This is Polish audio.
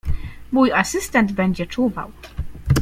Mój asystent będzie czuwał.